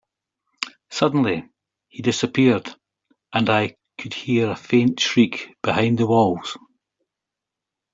Suddenly, he disappeared, and I could hear a faint shriek behind the walls.